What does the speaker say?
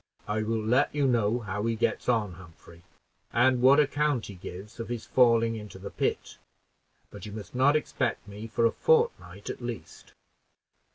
"I will let you know how he gets on, Humphrey, and what account he gives of his falling into the pit; but you must not expect me for a fortnight at least."